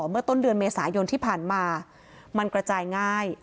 เมื่อต้นเดือนเมษายนที่ผ่านมามันกระจายง่าย